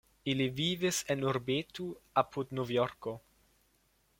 Ili vivis en urbeto apud Novjorko.